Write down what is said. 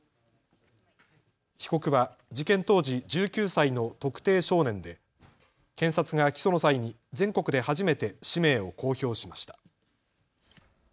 被告は事件当時１９歳の特定少年で検察が起訴の際に全国で初めて氏名を公表しました。